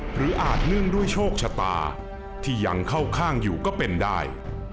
อาจเนื่องด้วยโชคชะตาที่ยังเข้าข้างอยู่ก็เป็นได้